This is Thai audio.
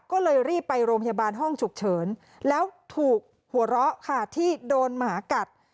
ก็เลยรีบไปโรงพยาบาลห้องฉุกเฉินแล้วถูกหัวเราะค่ะที่โดนหมากัด